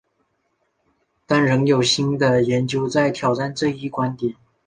但仍有新的研究在挑战这一观点。